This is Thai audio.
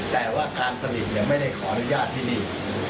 แต่ว่าการผลิตไม่ได้ขออนุญาตที่นี่